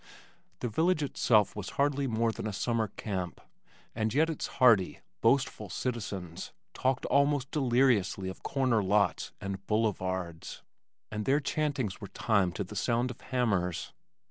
The village itself was hardly more than a summer camp, and yet its hearty, boastful citizens talked almost deliriously of "corner lots" and "boulevards," and their chantings were timed to the sound of hammers.